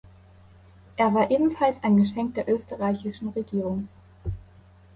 Er war ebenfalls ein Geschenk der österreichischen Regierung.